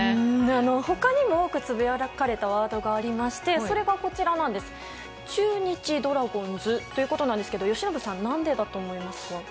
他にも多くつぶやかれたワードがありましてそれが、中日ドラゴンズということですが由伸さん、何でだと思いますか？